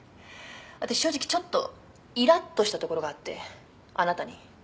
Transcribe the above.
私正直ちょっとイラッとしたところがあってあなたに」